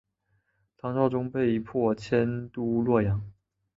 唐昭宗被迫迁都洛阳。